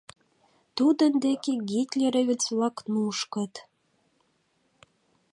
Тудын деке гитлеровец-влак нушкыт.